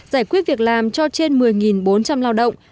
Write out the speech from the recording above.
giải quyết việc làm cho trên một mươi bốn trăm linh lao động